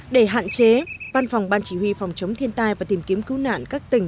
để hạn chế văn phòng ban chỉ huy phòng chống thiên tai và tìm kiếm cứu nạn các tỉnh